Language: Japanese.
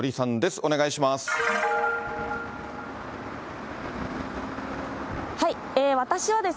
お願いします。